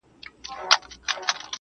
وای دی کم عمر کي پوه په راز و نياز دی